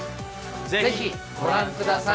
ぜひご覧ください！